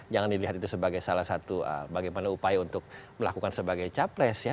jangan dilihat itu sebagai salah satu bagaimana upaya untuk melakukan sebagai capres ya